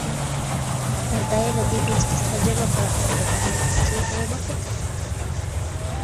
پرده یې له پیڅکې څخه جګه کړه او د باندې کوڅې ته یې وکتل.